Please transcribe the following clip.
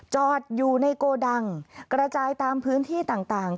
จอดอยู่ในโกดังกระจายตามพื้นที่ต่าง